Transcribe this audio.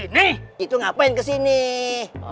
burung burung yuh xd